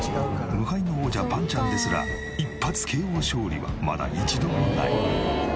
無敗の王者ぱんちゃんですら一発ＫＯ勝利はまだ一度もない。